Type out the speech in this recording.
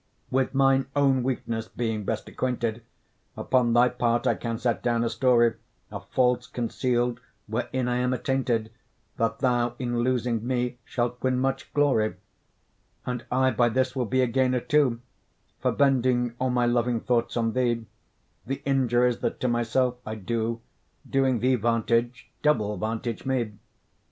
With mine own weakness, being best acquainted, Upon thy part I can set down a story Of faults conceal'd, wherein I am attainted; That thou in losing me shalt win much glory: And I by this will be a gainer too; For bending all my loving thoughts on thee, The injuries that to myself I do, Doing thee vantage, double vantage me.